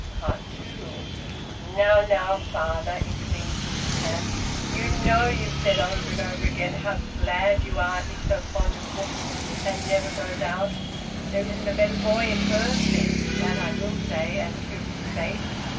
TWO. "Now, now, father!" intervened Mrs Hamps. "You know you've said over and over again how glad you are he's so fond of books, and never goes out. There isn't a better boy in Bursley. That I will say, and to his face."